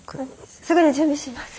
すぐに準備します。